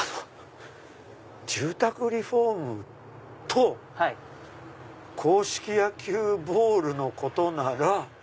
住宅リフォームと硬式野球ボールのことなら。